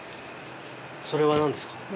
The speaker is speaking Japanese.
それは何ですか？